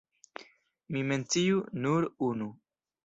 Mi menciu nur unu.